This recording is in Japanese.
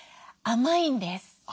甘いんですか。